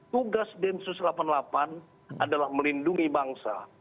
tugas densus delapan puluh delapan adalah melindungi bangsa